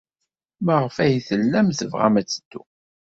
Maɣef ay tellam tebɣam ad teddum?